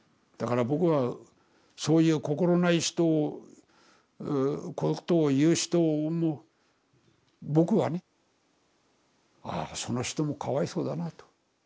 だから僕はそういう心ない人をことを言う人も僕はね「ああその人もかわいそうだな」と。